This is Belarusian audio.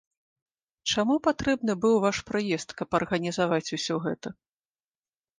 Чаму патрэбны быў ваш прыезд, каб арганізаваць усё гэта?